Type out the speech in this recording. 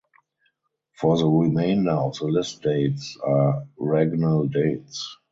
For the remainder of the list dates are regnal dates.